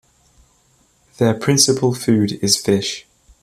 Their principal food is fish.